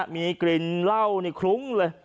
มีกลิ่นเหล้าในคลุ้งเลย